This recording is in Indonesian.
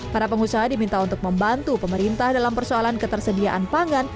para pengusaha diminta untuk membantu pemerintah dalam persoalan ketersediaan pangan